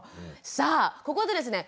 さあここでですね